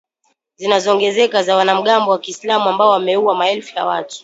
zinazoongezeka za wanamgambo wa kiislam ambao wameua maelfu ya watu